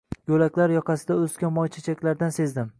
Yo’laklar yoqasida o’sgan moychechaklardan sezdim.